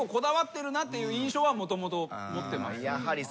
もともと持ってます。